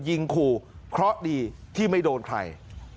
ยิงขู่เพราะดีที่ไม่โดนใคร